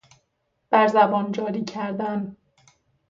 بر زبان جاری کردن